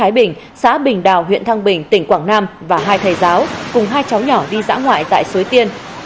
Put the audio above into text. thái bình xã bình đào huyện thăng bình tỉnh quảng nam và hai thầy giáo cùng hai cháu nhỏ đi dã ngoại tại suối tiên